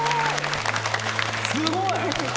「すごい！」